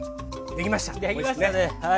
できましたね。